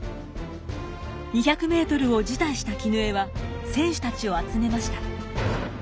２００ｍを辞退した絹枝は選手たちを集めました。